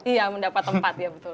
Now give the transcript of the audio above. iya mendapat tempat